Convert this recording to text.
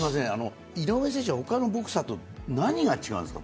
井上選手は、他のボクサーと何が違うんですか。